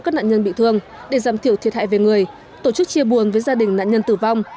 các nạn nhân bị thương để giảm thiểu thiệt hại về người tổ chức chia buồn với gia đình nạn nhân tử vong